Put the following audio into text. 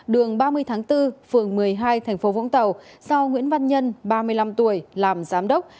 đường ba mươi tháng bốn phường một mươi hai thành phố vũng tàu do nguyễn văn nhân ba mươi năm tuổi làm giám đốc